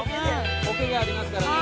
コケがありますからね。